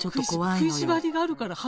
食いしばりがあるから歯の。